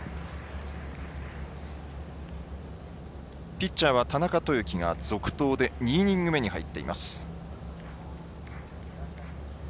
ピッチャーは田中豊樹が続投で２イニング目に入っています。